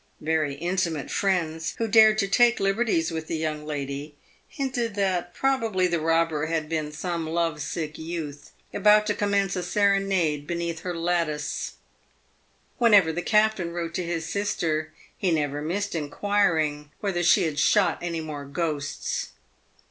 Very intimate friends, who dared to take liberties with the young lady, hinted that probably the robber had been some love sick youth, about to commence a serenade beneath her lattice. AVhenever the captain wrote to his sister, he never missed inquiring whether " she had shot any more ghosts."